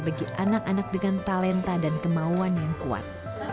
bagi anak anak dengan talenta dan kemauan yang kuat